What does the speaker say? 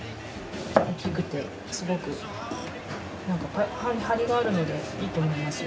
大きくてすごくなんかハリがあるのでいいと思いますよ。